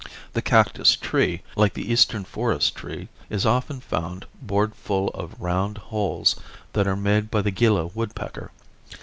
The cactus tree, like the eastern forest tree, is often found bored full of round, holes that are made by the Gila woodpecker.